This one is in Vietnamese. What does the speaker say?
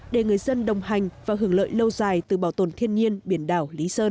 để người dân đồng hành và hưởng lợi lâu dài từ bảo tồn thiên nhiên biển đảo